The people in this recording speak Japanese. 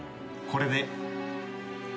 これで。